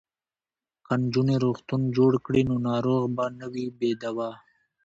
که نجونې روغتون جوړ کړي نو ناروغ به نه وي بې دواه.